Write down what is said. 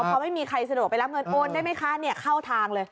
พอไม่มีใครสะดวกไปรับเงินโอนได้ไหมคะเข้าทางเลย